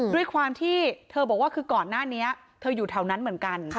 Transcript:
ด้วยความที่เธอบอกว่าคือก่อนหน้านี้เธออยู่แถวนั้นเหมือนกัน